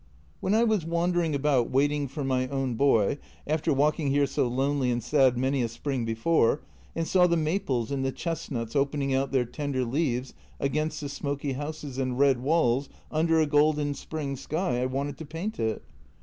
"When I was wandering about waiting for my own boy — after walking here so lonely and sad many a spring before — and saw the maples and the chestnuts opening out their tender leaves against the smoky houses and red walls under a golden spring sky, I wanted to paint it."